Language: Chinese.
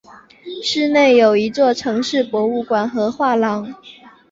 市内有一城市博物馆和一个画廊。